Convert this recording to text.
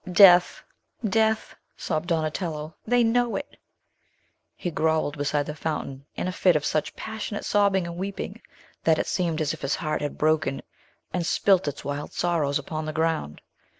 "Death, death!" sobbed Donatello. "They know it!" He grovelled beside the fountain, in a fit of such passionate sobbing and weeping, that it seemed as if his heart had broken, and spilt its wild sorrows upon the ground.